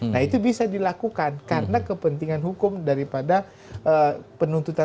nah itu bisa dilakukan karena kepentingan hukum daripada penuntutan